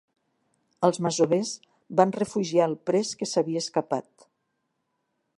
Els masovers van refugiar el pres que s'havia escapat.